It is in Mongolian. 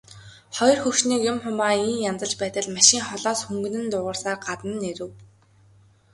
Хоёр хөгшнийг юм хумаа ийн янзалж байтал машин холоос хүнгэнэн дуугарсаар гадна нь ирэв.